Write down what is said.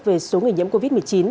về số người nhiễm covid một mươi chín